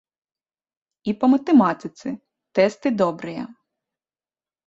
І па матэматыцы тэсты добрыя.